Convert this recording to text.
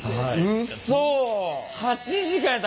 うそ？